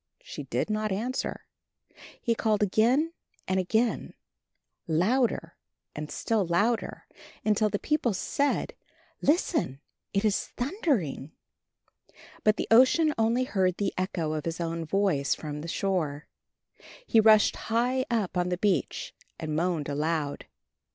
She did not answer. He called again and again, louder and still louder, until the people said, "Listen, it is thundering!" But the Ocean only heard the echo of his own voice from the shore. He rushed high up on the beach and moaned aloud.